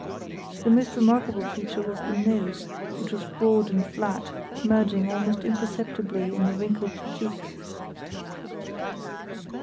The most remarkable feature was the nose, which was broad and flat, merging almost imperceptibly in the wrinkled cheeks.